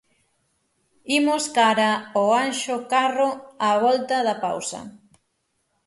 Imos cara ao Anxo Carro á volta da pausa.